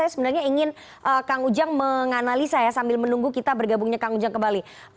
saya sebenarnya ingin kang ujang menganalisa ya sambil menunggu kita bergabungnya kang ujang kembali